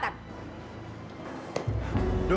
berani beraninya kamu ambil kesempatan